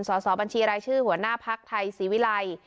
สอบบัญชีรายชื่อหัวหน้าภักดิ์ไทยศรีวิลัย